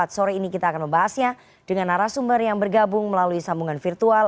sore ini kita akan membahasnya dengan arah sumber yang bergabung melalui sambungan virtual